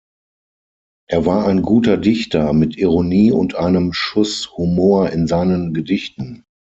Er war ein guter Dichter mit Ironie und einem Schuss Humor in seinen Gedichten.